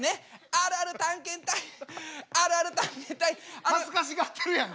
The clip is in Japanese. あるある探検隊あるある探検隊恥ずかしがってるやんか。